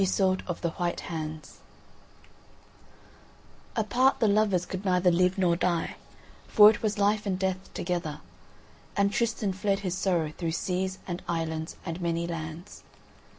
ISEULT OF THE WHITE HANDS Apart the lovers could neither live nor die, for it was life and death together; and Tristan fled his sorrow through seas and islands and many lands.